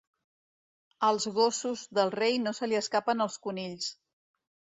Als gossos del rei no se li escapen els conills.